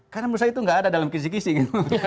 karena misalnya itu nggak ada dalam kisih kisih